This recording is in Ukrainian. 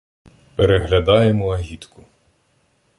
Переглядаємо агітку.